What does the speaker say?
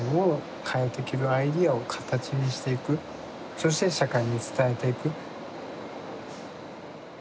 そして社会に伝えていく。